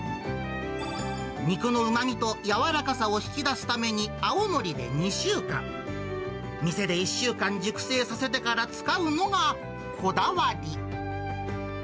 肉のうまみとやわらかさを引き出すために青森で２週間、店で１週間熟成させてから使うのがこだわり。